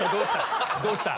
どうした？